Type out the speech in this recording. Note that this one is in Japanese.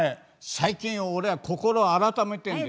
最近俺は心改めてんです。